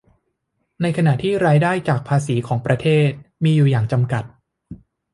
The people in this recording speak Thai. ในขณะที่รายได้จากภาษีของประเทศมีอยู่อย่างจำกัด